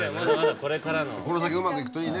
この先うまくいくといいね。